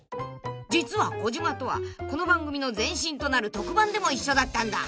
［実は児嶋とはこの番組の前身となる特番でも一緒だったんだ。